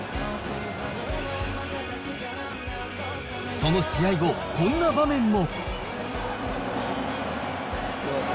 その試合後、こんな場面も。